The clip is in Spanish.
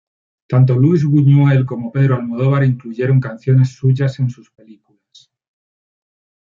Tanto Luis Buñuel como Pedro Almodóvar incluyeron canciones suyas en sus películas.